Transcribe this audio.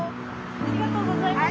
ありがとうございます。